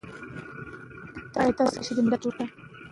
ملت باید درک کړي چې جګړه د ستونزو د حل لاره نه ده.